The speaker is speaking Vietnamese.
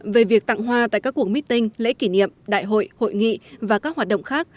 về việc tặng hoa tại các cuộc meeting lễ kỷ niệm đại hội hội nghị và các hoạt động khác